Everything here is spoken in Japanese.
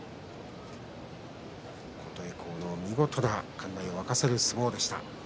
琴恵光の見事な館内を沸かせる相撲でした。